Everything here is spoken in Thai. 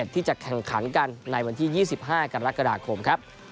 ที่จะแข่งขันกันในวันที่๒๕กรกฎาคมครับ